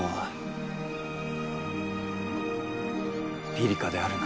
ピリカであるな。